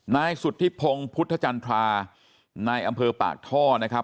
นายสุธิพงศ์พุทธจันทรานายอำเภอปากท่อนะครับ